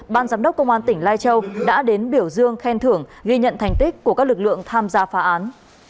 ban giám đốc công an tỉnh lai châu đã đến biểu dương khen thưởng ghi nhận thành tích của các lực lượng tham gia phá án